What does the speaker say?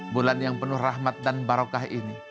bulan yang penuh rahmat dan barokah ini